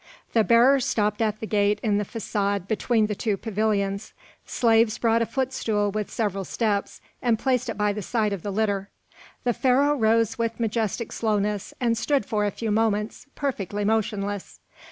The bearers stopped at the gate in the façade between the two pavilions; slaves brought a footstool with several steps and placed it by the side of the litter. The Pharaoh rose with majestic slowness and stood for a few moments perfectly motionless.